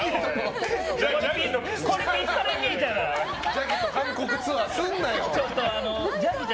ジャギと韓国ツアーすんなよ。